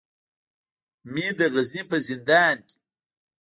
مې د غزني په زندان کې.